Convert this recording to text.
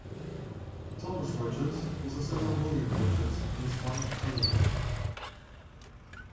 Thomas Rogers was a son of William Rogers and his wife Eleanor.